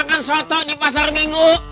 makan soto di pasar minggu